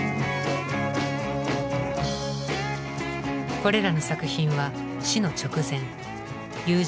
これらの作品は死の直前友人